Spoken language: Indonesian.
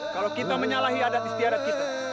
kalau kita menyalahi adat istiadat kita